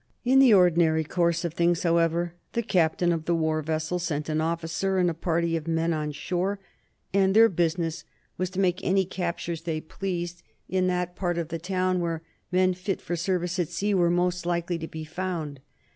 In the ordinary course of things, however, the captain of the war vessel sent an officer and a party of men on shore, and their business was to make any captures they pleased, in that part of the town where men fit for service at sea were most likely to be found.